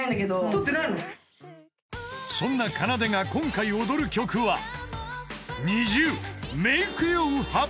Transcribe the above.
［そんなかなでが今回踊る曲は］